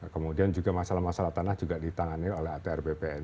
kemudian juga masalah masalah tanah juga ditangani oleh atr bpn